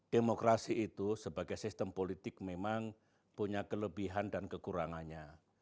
demokrasi itu sebagai sistem politik memang punya kelebihan dan kekurangannya